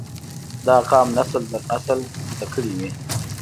دا قام نسل در نسل زده کړي وي